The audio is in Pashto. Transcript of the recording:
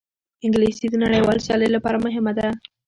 انګلیسي د نړیوال سیالۍ لپاره مهمه ده